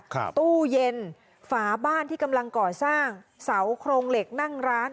ตู้เย็นฝาบ้านที่กำลังก่อสร้างเสาโครงเหล็กนั่งร้าน